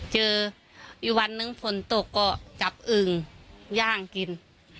เจออีกวันนึงฝนตกก็จับอึ่งย่างกิน